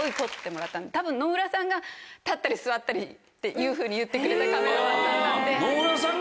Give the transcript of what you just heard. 多分野村さんが。っていうふうに言ってくれたカメラマンさんなんで。